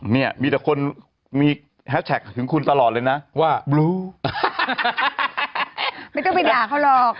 เนี้ยมีแต่คนมีถึงคุณตลอดเลยนะว่าไม่ต้องไปด่าเขาหรอก